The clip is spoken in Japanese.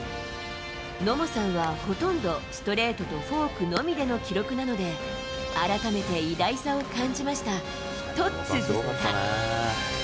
野茂さんはほとんどストレートとフォークのみでの記録なので、改めて偉大さを感じましたとつづった。